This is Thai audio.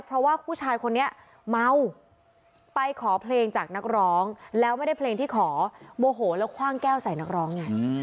เพราะว่าผู้ชายคนนี้เมาไปขอเพลงจากนักร้องแล้วไม่ได้เพลงที่ขอโมโหแล้วคว่างแก้วใส่นักร้องไง